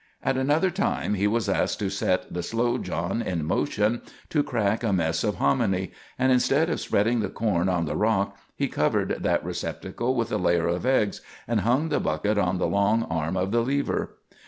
At another time he was asked to set the Slow John in motion to crack a mess of hominy, and instead of spreading the corn on the rock he covered that receptacle with a layer of eggs, and hung the bucket on the long arm of the lever.